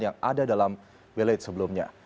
yang ada dalam villate sebelumnya